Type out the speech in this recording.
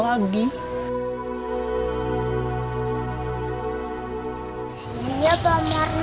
lantaran aku udah gak ada uang